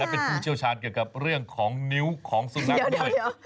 เป็นผู้เชี่ยวชาญเกี่ยวกับเรื่องของนิ้วของสุนัขด้วย